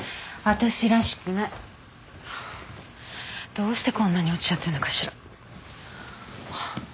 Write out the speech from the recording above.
どうしてこんなに落ちちゃってんのかしら？